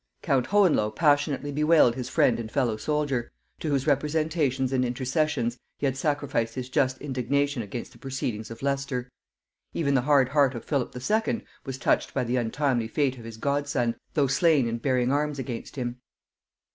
Count Hohenlo passionately bewailed his friend and fellow soldier, to whose representations and intercessions he had sacrificed his just indignation against the proceedings of Leicester. Even the hard heart of Philip II. was touched by the untimely fate of his godson, though slain in bearing arms against him.